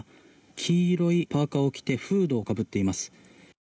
黄色いパーカを着てフードをかぶっています。